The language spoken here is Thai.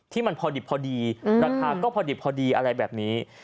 ที่มันพอดีราคาก็พอดีอะไรแบบนี้